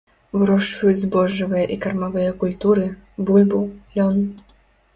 Вырошчваюць збожжавыя і кармавыя культуры, бульбу, лён.